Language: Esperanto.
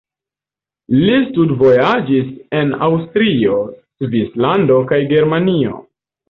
Li studvojaĝis en Aŭstrio, Svislando kaj Germanio.